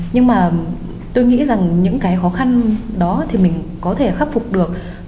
nhưng mà tôi nghĩ rằng những cái khó khăn đó thì mình có thể khắc phục được